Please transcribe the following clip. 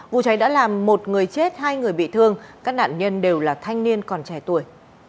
vụ cháy đã làm một người chết hai người bị thương các nạn nhân đều là thanh niên còn trẻ tuổi